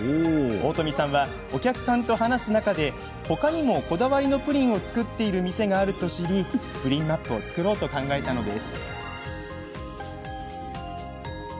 大富さんは、お客さんと話す中で他にもこだわりのプリンを作っている店があると知りプリンマップを作ろうと考えたのです。